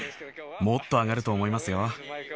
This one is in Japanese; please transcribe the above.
もっと上がると思いますよ。